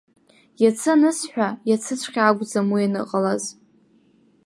Иацы анысҳәа, иацыҵәҟьа акәӡам уи аныҟалаз.